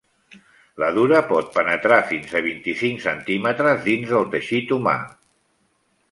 La dura pot penetrar fins a vint-i-cinc centímetres dins del teixit humà.